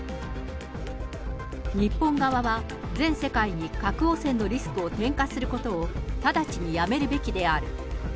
日本側は、全世界に核汚染のリスクを転嫁することを、直ちにやめるべきである。